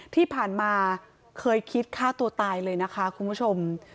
ที่ผ่านมาเคยคิดฆ่าตัวตายเลยนะคะคุณผู้ชม